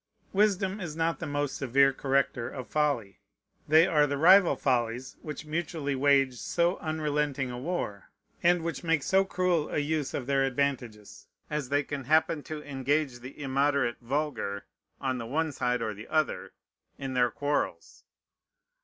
Wisdom is not the most severe corrector of folly. They are the rival follies which mutually wage so unrelenting a war, and which make so cruel a use of their advantages, as they can happen to engage the immoderate vulgar, on the one side or the other, in their quarrels.